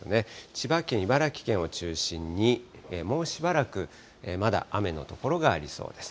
千葉県、茨城県を中心に、もうしばらくまだ雨の所がありそうです。